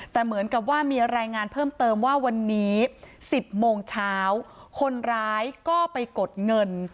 แต่เหมือนกับว่ามีรายงานเพิ่มเติมว่าวันนี้๑๐โมงเช้าคนร้ายก็ไปกดเงิน